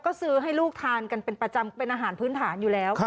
ก็ซื้อให้ลูกทานกันเป็นประจำเป็นอาหารพื้นฐานอยู่แล้ว